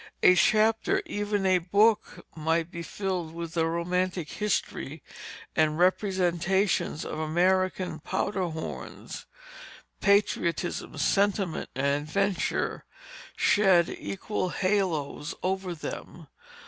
A chapter, even a book, might be filled with the romantic history and representations of American powder horns; patriotism, sentiment, and adventure shed equal halos over them.